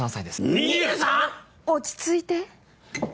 ２３⁉落ち着いて。